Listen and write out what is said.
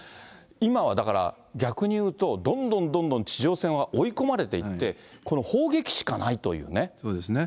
今はだから、逆に言うとどんどんどんどん地上戦は追い込まれていって、砲撃しそうですね。